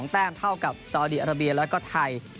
แต้มเท่ากับซาวดีอาราเบียแล้วก็ไทย